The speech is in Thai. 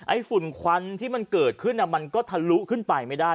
ฝุ่นควันที่มันเกิดขึ้นมันก็ทะลุขึ้นไปไม่ได้